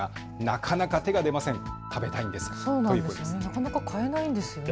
なかなか買えないんですよね。